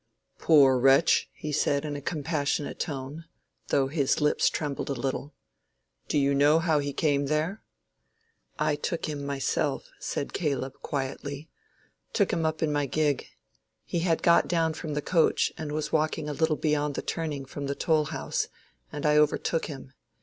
"Poor wretch!" he said in a compassionate tone, though his lips trembled a little. "Do you know how he came there?" "I took him myself," said Caleb, quietly—"took him up in my gig. He had got down from the coach, and was walking a little beyond the turning from the toll house, and I overtook him.